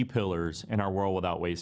dalam perkembangan world without waste